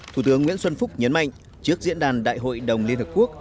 thủ tướng nguyễn xuân phúc nhấn mạnh trước diễn đàn đại hội đồng liên hợp quốc